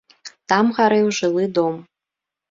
Там гарэў жылы дом.